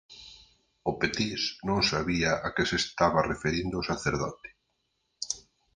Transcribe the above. O petís non sabía a que se estaba referindo o sacerdote.